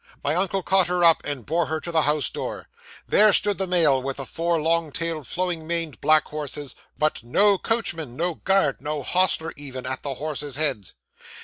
My uncle caught her up, and bore her to the house door. There stood the mail, with four long tailed, flowing maned, black horses, ready harnessed; but no coachman, no guard, no hostler even, at the horses' heads.